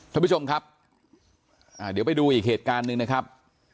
ท่านผู้ชมครับเดี๋ยวไปดูอีกเหตุการณ์หนึ่งนะครับ